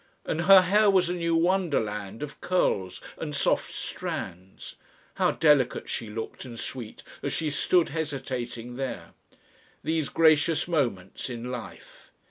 And her hair was a new wonderland of curls and soft strands. How delicate she looked and sweet as she stood hesitating there. These gracious moments in life!